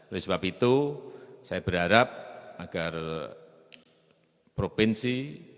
oleh sebab itu saya berharap agar provinsi